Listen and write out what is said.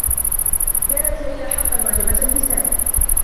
كانت ليلى حقّا معجبة بسامي.